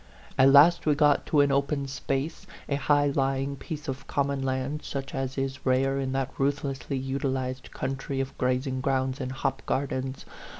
At last we got to an open space, a high lying piece of common land, such as is rare in that ruthlessly utilized country of grazing grounds and hop gardens.